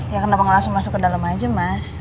ya kenapa gak langsung masuk ke dalem aja mas